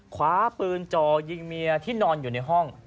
คว้าปืนจ่อยิงเมียที่นอนอยู่ในห้อง